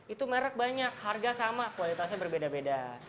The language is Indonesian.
itu merek banyak harga sama kualitasnya berbeda beda